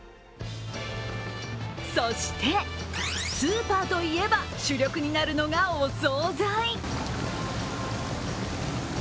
そして、スーパーといえば主力になるのがお総菜。